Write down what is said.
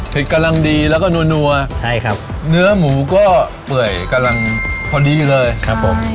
กำลังดีแล้วก็นัวใช่ครับเนื้อหมูก็เปื่อยกำลังพอดีอยู่เลยครับผม